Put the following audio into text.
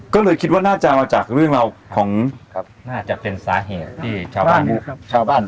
ก็เลยคิดว่าน่าจะมาจากเรื่องราวของน่าจะเป็นสาเหตุที่ชาวบ้าน